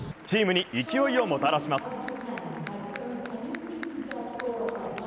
チームに勢いをもたらします。